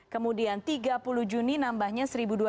kemudian tiga puluh juni nambahnya satu dua ratus